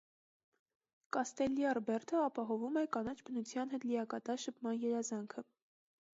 Կաստելլյար բերդը ապահովում է կանաչ բնության հետ լիակատար շփման երազանքը։